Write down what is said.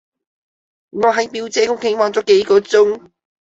我喺表姐屋企玩咗幾個鐘